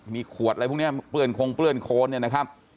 มีขวดแล้วพวกนี้เปื้อนคงเปื้อนโค้นนะครับ